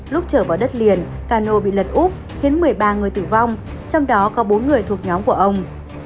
lúc trở vào đất liền cano bị lật úp khiến một mươi ba người tử vong trong đó có bốn người thuộc nhóm của ông